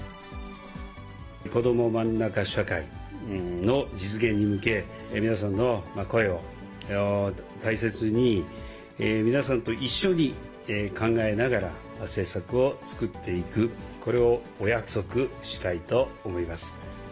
こどもまんなか社会の実現に向け、皆さんの声を大切に、皆さんと一緒に考えながら、政策を作っていく、これをお約束したいと思います。